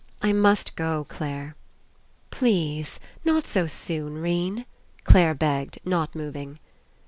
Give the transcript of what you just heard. "I must go, Clare." "Please, not so soon, 'Rene," Clare begged, not moving.